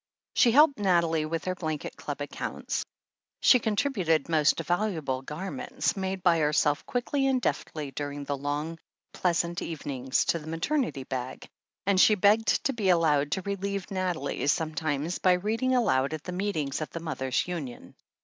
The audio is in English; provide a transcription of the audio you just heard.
She helped Nathalie with her Blanket Club accounts, she contributed most valuable garments, made by her self quickly and deftly during the long, pleasant eve nings, to the Maternity Bag, and she begged to be allowed to relieve Nathalie sometimes by reading aloud at the meetings of the Mothers' Union.